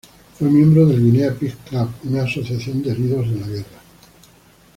Fue miembro del Guinea Pig Club, una asociación de heridos en la guerra.